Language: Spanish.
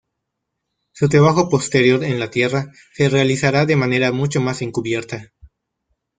Su trabajo posterior en la tierra se realizará de manera mucho más encubierta.